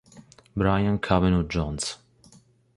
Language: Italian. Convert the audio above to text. Brian Kavanaugh-Jones